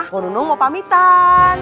poh nunung mau pamitan